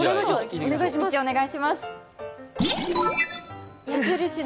お願いします。